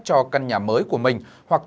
cho căn nhà mới của mình